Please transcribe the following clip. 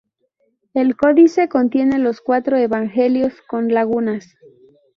El codice contiene los cuatro Evangelios con lagunas.